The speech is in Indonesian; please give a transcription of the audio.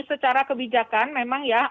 secara kebijaksanaan ya